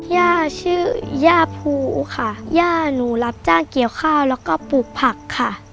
ย่าชื่อย่าภูค่ะย่าหนูรับจ้างเกี่ยวข้าวแล้วก็ปลูกผักค่ะ